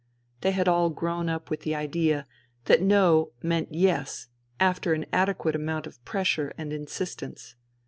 They had all grown up with the idea that No meant Yes after an adequate amount of pressure and insistence.